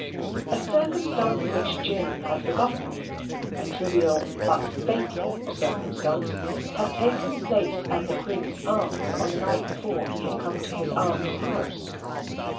A circumstance which Jim had forgotten a trivial but fatal circumstance had taken place at the Cribb's Arms on the night before he had come to his aunt's house.